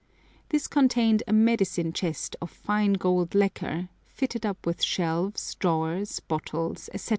This contained a medicine chest of fine gold lacquer, fitted up with shelves, drawers, bottles, etc.